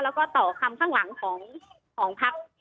แล้วก็ต่อคำข้างหลังของพัก